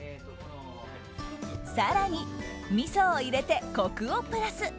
更にみそを入れてコクをプラス。